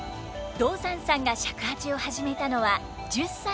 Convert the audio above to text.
道山さんが尺八を始めたのは１０歳の頃。